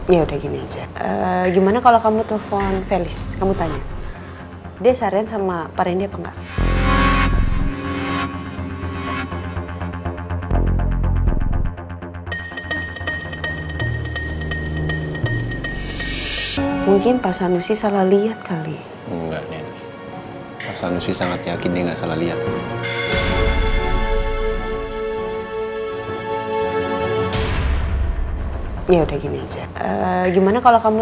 ya udah gini aja gimana kalau kamu telepon felis kamu tanya dia syarian sama pak rendy apa enggak